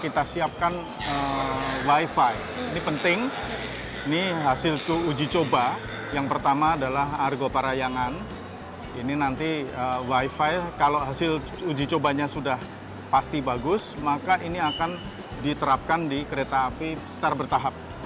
kita siapkan wifi ini penting ini hasil uji coba yang pertama adalah argo parayangan ini nanti wifi kalau hasil uji cobanya sudah pasti bagus maka ini akan diterapkan di kereta api secara bertahap